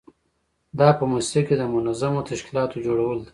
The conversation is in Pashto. دا په موسسه کې د منظمو تشکیلاتو جوړول دي.